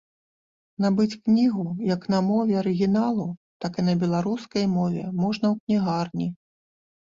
Набыць кнігу як на мове арыгіналу, так і на беларускай мове можна ў кнігарні.